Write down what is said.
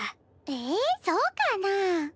ええそうかなぁ？